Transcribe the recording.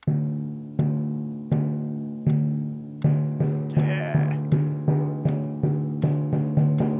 すげえ。